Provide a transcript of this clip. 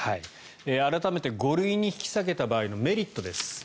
改めて５類に引き下げた場合のメリットです。